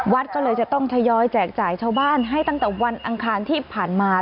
วัดก็เลยจะต้องทยอยแจกจ่ายชาวบ้านให้ตั้งแต่วันอังคารที่ผ่านมา